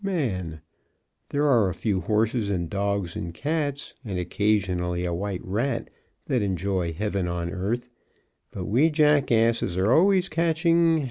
Man. There are a few horses and dogs and cats and, occasionally, a white rat, that enjoy heaven on earth, but we jackasses are always catching